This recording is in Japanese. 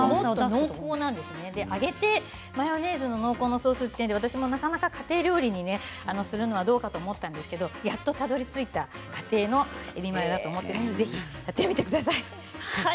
揚げてマヨネーズの濃厚なソースはなかなか家庭料理にするのはどうかと思ったんですけれどもやっとたどりついた家庭のえびマヨだと思っているのでぜひやってみてください。